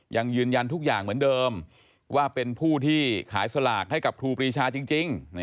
ยังยืนยันทุกอย่างเหมือนเดิมว่าเป็นผู้ที่ขายสลากให้กับครูปรีชาจริง